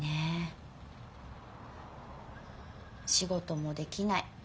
仕事もできない。